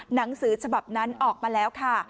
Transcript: หนังสือฉบับนั้นออกมาแล้วค่ะ